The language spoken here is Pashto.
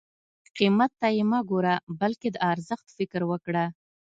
قیمت ته یې مه ګوره بلکې د ارزښت فکر وکړه.